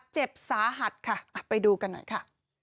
เจ็บสาหัสค่ะไปดูกันหน่อยค่ะ